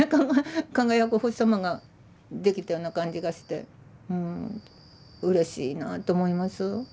輝くお星様ができたような感じがしてうんうれしいなと思います。